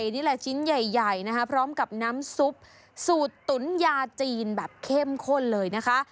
นี่แหละชิ้นใหญ่นะคะพร้อมกับน้ำซุปสูตรตุ๋นยาจีนแบบเข้มข้นเลยนะคะ